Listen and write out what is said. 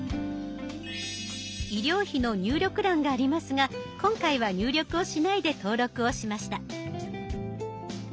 医療費の入力欄がありますが今回は入力をしないで登録をしました。